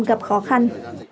gặp khó khăn